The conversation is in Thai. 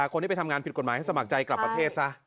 คนที่ไปทำงานผิดกฎหมายให้สมัครใจกลับประเทศซะ